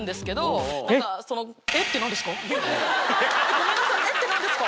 ごめんなさい「えっ⁉」って何ですか？